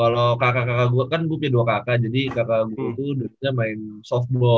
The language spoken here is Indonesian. kalau kakak kakak gue kan gue punya dua kakak jadi kakak gue itu duitnya main softball